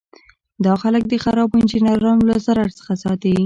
دا خلک د خرابو انجینرانو له ضرر څخه ساتي.